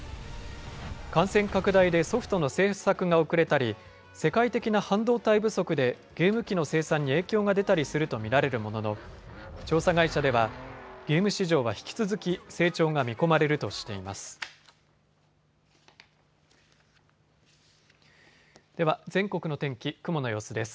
感染拡大でソフトの制作が遅れたり世界的な半導体不足でゲーム機の生産に影響がでたりすると見られるものの調査会社ではゲーム市場は引き続き成長が見込まれるとしています。